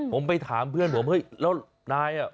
ผมไปถามเพื่อนผมเฮ้ยแล้วนายอ่ะ